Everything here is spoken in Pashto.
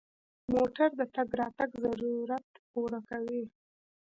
موټر د تګ راتګ ضرورت پوره کوي.